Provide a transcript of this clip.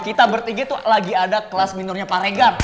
kita bertiga tuh lagi ada kelas minornya pak regan